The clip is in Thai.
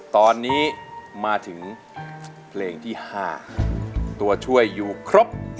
ตอนนี้มาถึงเพลงที่๕ตัวช่วยอยู่ครบ